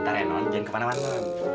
ntar aja non jangan kemana mana